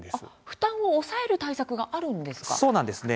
負担を抑える対策があるんですか？